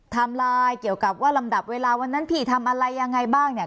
ไลน์เกี่ยวกับว่าลำดับเวลาวันนั้นพี่ทำอะไรยังไงบ้างเนี่ย